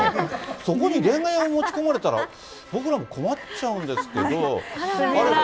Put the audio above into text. そこに恋愛を持ち込まれたら、僕らも困っちゃうんですけど。